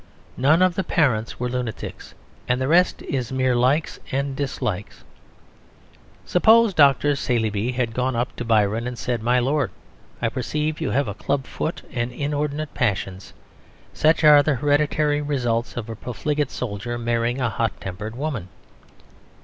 None of the parents were lunatics, and the rest is mere likes and dislikes. Suppose Dr. Saleeby had gone up to Byron and said, "My lord, I perceive you have a club foot and inordinate passions: such are the hereditary results of a profligate soldier marrying a hot tempered woman."